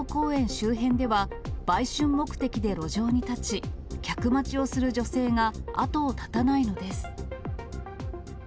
周辺では、売春目的で路上に立ち、客待ちをする女性が後を絶たないのです。